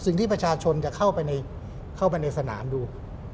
สิ่งที่ประชาชนจะเข้าไปในสนามดู